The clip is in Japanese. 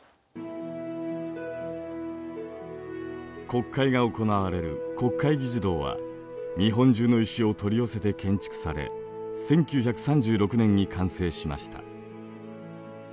国会が行われる国会議事堂は日本中の石を取り寄せて建設され１９３６年に完成しました。